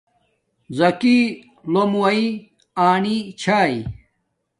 زَکی لومُوائ آنی چھݳئ